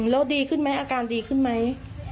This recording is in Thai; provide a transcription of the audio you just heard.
แล้วดีขึ้นไหมอาการดีขึ้นไหม